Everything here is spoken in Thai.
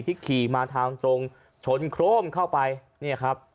ที่ขี่มาทางตรงชนโครมเข้าไป